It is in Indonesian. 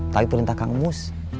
tapi itu rinta kang mus